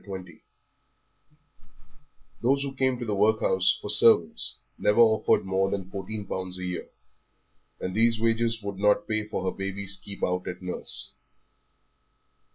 XX Those who came to the workhouse for servants never offered more than fourteen pounds a year, and these wages would not pay for her baby's keep out at nurse.